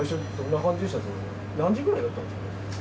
何時ぐらいだったんですか。